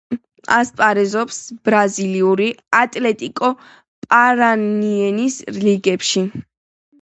ასპარეზობს ბრაზილიური „ატლეტიკო პარანაენსეს“ რიგებში.